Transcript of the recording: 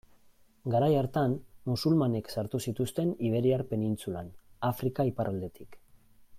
Garai hartan, musulmanek sartu zituzten Iberiar penintsulan, Afrika iparraldetik.